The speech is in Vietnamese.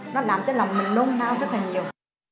nó làm cho lòng mình nôm nao rất là nhiều